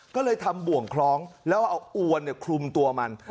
ก็เลยทำบ่วงคล้องแล้วเอาอวนคลุมตัวมัน